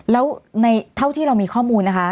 แล้วในเท่าที่เรามีข้อมูลนะคะ